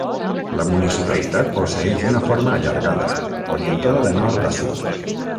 La municipalitat posseeix una forma allargada, orientada de nord a sud.